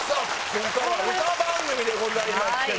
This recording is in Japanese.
ここからは歌番組でございますけど。